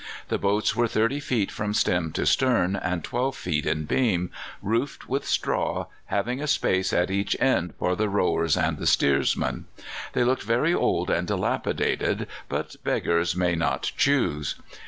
The boats were 30 feet from stem to stern and 12 feet in beam, roofed with straw, having a space at each end for the rowers and the steersman. They looked very old and dilapidated, but beggars may not choose.